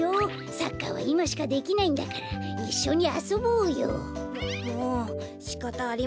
サッカーはいましかできないんだからいっしょにあそぼうよ。ももうしかたありませんね。